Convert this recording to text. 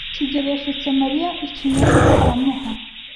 kigeli yasutse Mariya ikinyobwa aramuha.